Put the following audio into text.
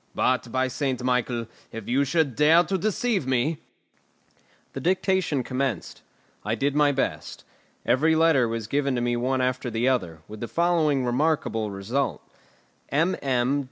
But, by St. Michael, if you should dare to deceive me " The dictation commenced. I did my best. Every letter was given me one after the other, with the following remarkable result: mm.